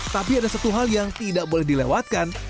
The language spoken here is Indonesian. tapi ada satu hal yang tidak boleh dilewatkan